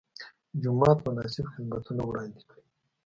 جومات مناسب خدمتونه وړاندې کړي.